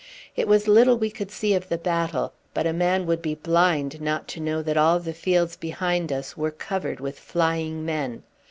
It was little we could see of the battle; but a man would be blind not to know that all the fields behind us were covered with flying men.